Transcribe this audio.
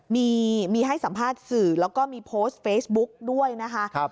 มีให้สัมภาษณ์สื่อแล้วก็มีโพสต์เฟซบุ๊กด้วยนะคะ